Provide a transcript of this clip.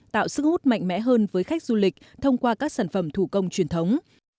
tạo sức hút mạnh mẽ hơn với khách du lịch thông qua các sản phẩm thủ công truyền thống